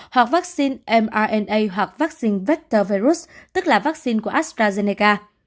hoặc vaccine mna hoặc vaccine vector virus tức là vaccine của astrazeneca